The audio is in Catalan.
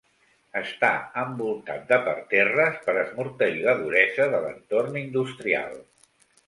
Està envoltat de parterres per esmorteir la duresa de l'entorn industrial.